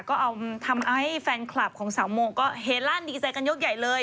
ก็เอาทำให้แฟนคลับของสาวโมก็เฮลั่นดีใจกันยกใหญ่เลย